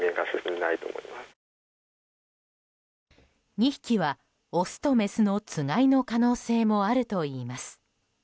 ２匹はオスとメスの、つがいの可能性もあるといいます。